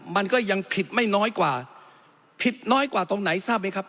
มันก็ยังผิดไม่น้อยกว่าผิดน้อยกว่าตรงไหน